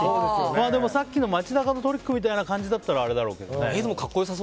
でも、さっきの街中のトリックみたいな感じならあれだろうけどね。